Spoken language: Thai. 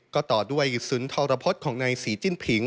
ก็ต่อด้วยศึนย์ธรพฤษของในศรีจิ้นผิง